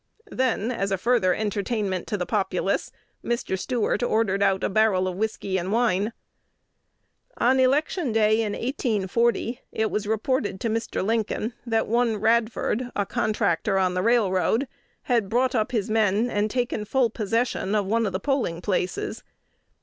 Then, as a further entertainment to the populace, Mr. Stuart ordered out a "barrel of whiskey and wine." On the election day in 1840, it was reported to Mr. Lincoln that one Radford, a contractor on the railroad, had brought up his men, and taken full possession of one of the polling places.